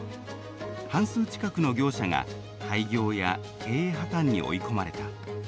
半数近くの業者が廃業や経営破綻に追い込まれた。